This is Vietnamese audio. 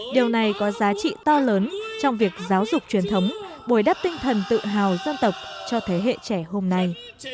điều này có giá trị to lớn trong việc giáo dục truyền thống bồi đắp tinh thần tự hào dân tộc cho thế hệ trẻ hôm nay